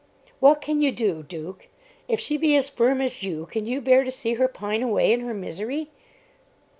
"What can you do, Duke? If she be as firm as you, can you bear to see her pine away in her misery?"